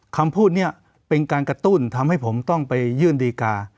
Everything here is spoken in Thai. คำพูดนี้เป็นการกระตุ้นทำให้ผมต้องไปยื่นดีการ์